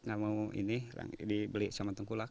nggak mau ini dibeli sama tengkulak